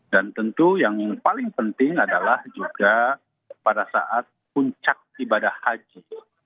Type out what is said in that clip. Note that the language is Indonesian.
dan tentu yang paling penting adalah juga pada saat puncak ibadah haji